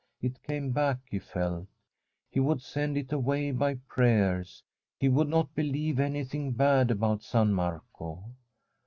It came back, he felt. He would send it away by pray ers. He would not believe anything bad about San Marco.